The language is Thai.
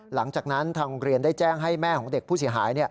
หลังจากนั้นทางโรงเรียนได้แจ้งให้แม่ของเด็กผู้เสียหาย